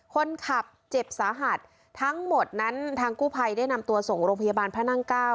คนเจ็บสาหัสทั้งหมดนั้นทางกู้ภัยได้นำตัวส่งโรงพยาบาลพระนั่งเก้า